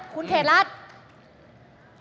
คุณเขตรัฐทรัฐ